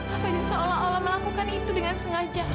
kak fadil seolah olah melakukan itu dengan sengaja kak